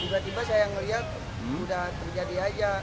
tiba tiba saya ngeliat udah terjadi aja